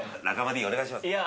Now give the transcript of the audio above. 中間Ｄお願いします